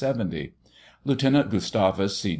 Lieutenant Gustavus C.